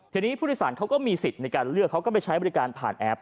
ทีนี้ผู้โดยสารเขาก็มีสิทธิ์ในการเลือกเขาก็ไปใช้บริการผ่านแอป